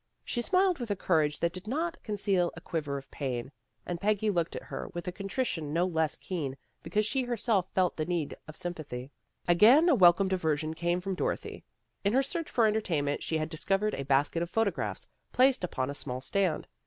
She smiled with a courage that did not conceal a quiver of pain, and Peggy looked at her with a contrition no less keen because she herself felt the need of sym pathy. Again a welcome diversion came from Doro thy. In her search for entertainment she had discovered a basket of photographs, placed upon a small stand.